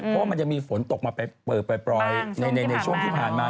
เพราะว่ามันจะมีฝนตกมาเปิดปล่อยในช่วงที่ผ่านมา